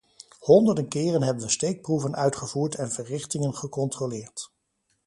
Honderden keren hebben we steekproeven uitgevoerd en verrichtingen gecontroleerd.